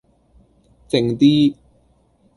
靜啲